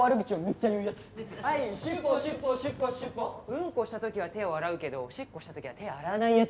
うんこした時は手を洗うけどおしっこをした時は手を洗わない奴。